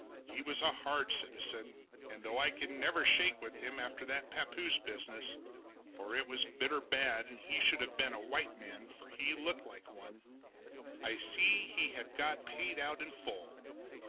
He was a hard citizen, and though I never could shake with him after that papoose business—for it was bitter bad, and he should have been a white man, for he looked like one—I see he had got paid out in full.